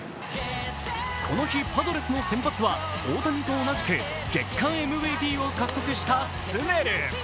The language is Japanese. この日、パドレスの先発は大谷と同じく月間ＭＶＰを獲得したスネル。